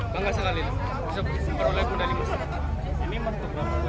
bangga sekali bisa beroleh medali emas